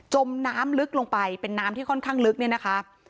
มน้ำลึกลงไปเป็นน้ำที่ค่อนข้างลึกเนี่ยนะคะ